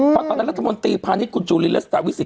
เพราะตอนนั้นรัฐมนตรีพาณิชย์คุณจูลีและสตราวิสิก